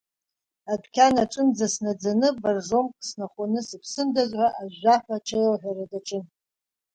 Адәқьан аҿынӡа снаӡаны боржомк снахәаны сыԥсындаз ҳәа ажәжәаҳәа аҽеилаҳәара даҿын.